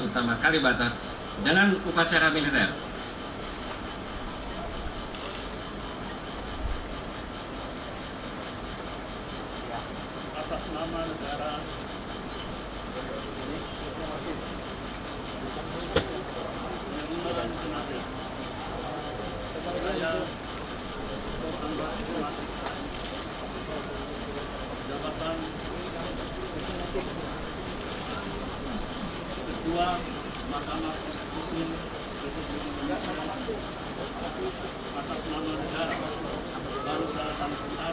utama kalibatan dengan upacara militer